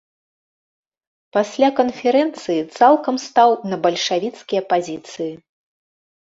Пасля канферэнцыі цалкам стаў на бальшавіцкія пазіцыі.